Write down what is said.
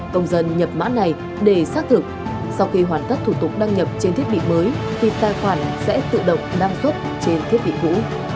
công dân nhập mã này để xác thực sau khi hoàn tất thủ tục đăng nhập trên thiết bị mới thì tài khoản sẽ tự động đăng xuất trên thiết bị cũ